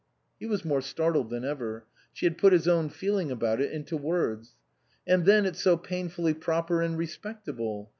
He was more startled than ever ; she had put his own feeling about it into words. " And then, it's so painfully proper and re spectable.